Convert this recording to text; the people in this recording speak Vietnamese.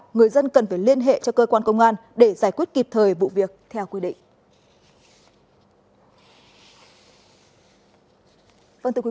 người dân cần phải liên hệ cho cơ quan công an để giải quyết kịp thời vụ việc theo quy định